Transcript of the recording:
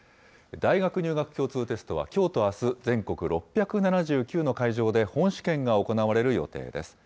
大学入学共通テストは、きょうとあす、全国６７９の会場で本試験が行われる予定です。